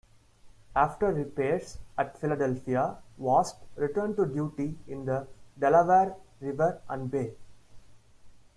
After repairs at Philadelphia, "Wasp" returned to duty in the Delaware River and Bay.